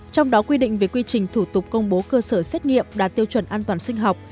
trong đó quy định về quy trình thủ tục công bố cơ sở xét nghiệm đạt tiêu chuẩn an toàn sinh học